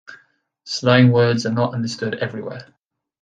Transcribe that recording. Slang words are not understood everywhere.